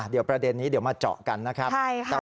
เดี๋ยวประเด็นนี้เดี๋ยวมาเจาะกันนะครับ